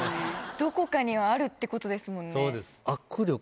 どこかにはあるってことですね。